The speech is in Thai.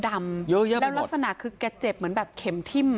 แล้วลักษณะคือแกเจ็บเหมือนแบบเข็มทิ้ม